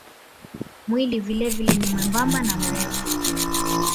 Mwili vilevile ni mwembamba na mrefu.